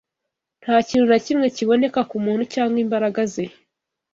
Ntakintu na kimwe kiboneka kumuntu Cyangwa imbaraga ze